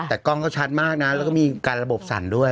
แต่กล้องก็ชัดมากนะแล้วก็มีการระบบสั่นด้วย